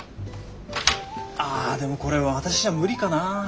ああでもこれ私じゃ無理かな。